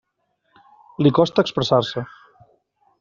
Li costa expressar-se.